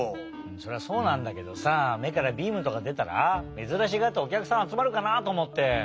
それはそうなんだけどさめからビームとかでたらめずらしがっておきゃくさんあつまるかなとおもって。